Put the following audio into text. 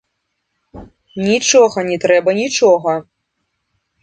Нічога не трэба, нічога!